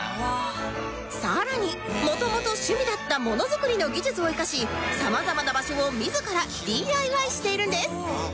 更にもともと趣味だったものづくりの技術を生かしさまざまな場所を自ら ＤＩＹ しているんです